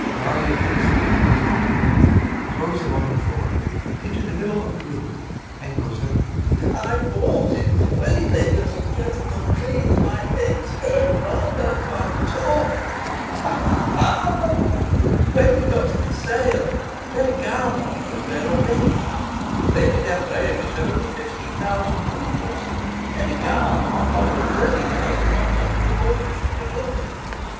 VARYA takes her keys off her belt, throws them on the floor, into the middle of the room and goes out.] LOPAKHIN. I bought it! Wait, ladies and gentlemen, please, my head's going round, I can't talk.... When we got to the sale, Deriganov was there already. Leonid Andreyevitch had only fifteen thousand roubles, and Deriganov offered thirty thousand on top of the mortgage to begin with.